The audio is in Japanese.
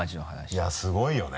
いやすごいよね。